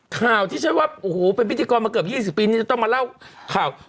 ข่าวที่ฉันว่าโอ้โหเป็นพิธีกรมาเกือบ๒๐ปีนี่จะต้องมาเล่าข่าว